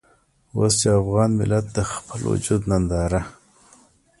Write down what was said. اوس چې افغان ملت د خپل وجود ننداره.